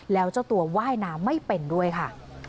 แล้วเจ้าตัวว่ายน้ำไม่เป็นด้วยค่ะ